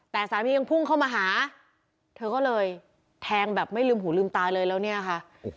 แต่สามียังพุ่งเข้ามาหาเธอก็เลยแทงแบบไม่ลืมหูลืมตาเลยแล้วเนี่ยค่ะ